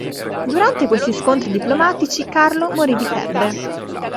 Durante questi scontri diplomatici, Carlo morì di febbre.